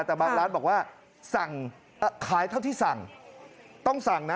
แต่บางร้านบอกว่าสั่งขายเท่าที่สั่งต้องสั่งนะ